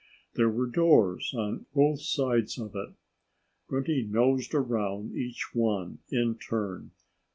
There were doors on both sides of it. Grunty nosed around each one in turn.